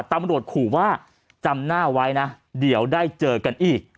ตำรวจขู่ว่าจำหน้าไว้นะเดี๋ยวได้เจอกันอีก